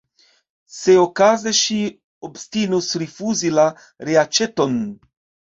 Se okaze ŝi obstinus rifuzi la reaĉeton!